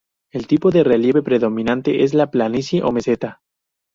El tipo de relieve predominante es la planicie o meseta.